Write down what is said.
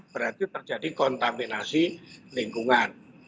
berarti terjadi kontaminasi lingkungan